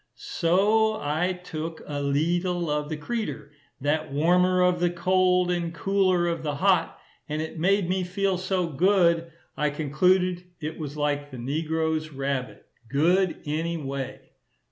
So I took "a leetle of the creater," that warmer of the cold, and cooler of the hot, and it made me feel so good that I concluded it was like the negro's rabbit, "good any way."